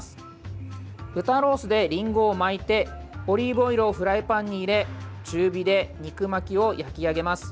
豚ロースでりんごを巻いてオリーブオイルをフライパンに入れ中火で肉巻きを焼き上げます。